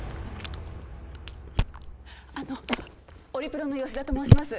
あのオリプロの吉田と申します。